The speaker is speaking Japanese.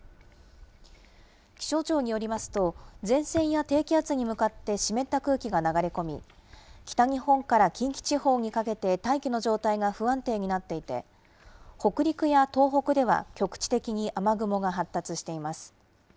気象庁によりますと、前線や低気圧に向かって湿った空気が流れ込み、北日本から近畿地方にかけて、大気の状態が不安定になっていて、北陸や東北では局地的に雨雲が発達しています。